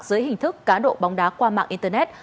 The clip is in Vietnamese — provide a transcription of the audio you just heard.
dưới hình thức cá độ bóng đá qua mạng internet